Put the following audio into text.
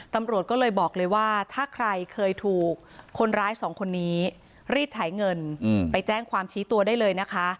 ตำรวจก็เลยบอกเลยว่าถ้าใครเคยถูกคนร้ายสองคนนี้รีดถ่ายเงินไปแจ้งความชี้ตัวได้เลยนะคะ